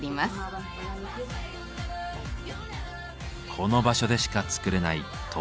この場所でしか作れない特別なラグ。